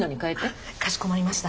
あっかしこまりました。